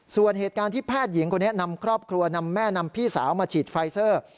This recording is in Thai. ส่วนเหตุการณ์ที่แพทย์หญิงคนนี้นำครอบครัวนำแม่นำพี่สาวมาฉีดไฟเซอร์